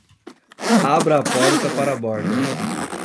Abra a porta para a borda!